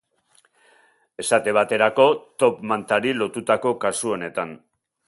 Esate baterako top mantari lotutako kasu honetan.